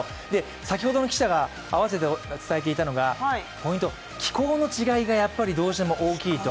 先ほどの記者があわせて伝えていたのが気候の違いがやっぱりどうしても大きいと。